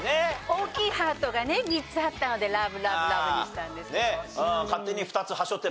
大きいハートがね３つあったので「ラブラブラブ」にしたんですけど。